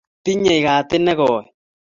Tinyei gatit negooy